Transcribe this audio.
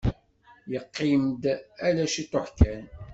Yeqqim-d ala ciṭuḥ kan.